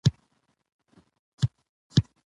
افغان مبارزینو د روښان او خوشحال په څېر د قلم سنګر ونیو.